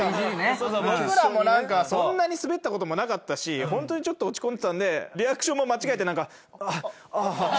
僕らもそんなにスベったこともなかったし本当に落ち込んでたんでリアクションも間違えてあっあぁ。